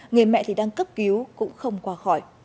người mẹ đang cấp cứu cũng không qua khỏi